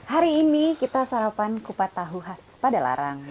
hari ini kita sarapan kupat tahu khas pada larang